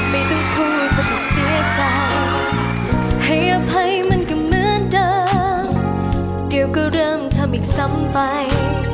ไม่ต้องพูดเพราะจะเสียใจให้อพัยเหมือนเดิมเดี๋ยวก็เริ่มทำอีกสามไป